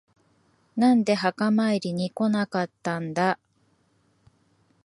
なんで墓参りに来なかったんだ。